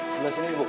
sebelah sini ibu